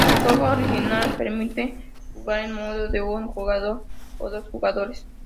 El juego original permite jugar en modo de un jugador o dos jugadores.